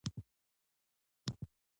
تولنیز منزلت هم باید د لاسرسي وړ وي.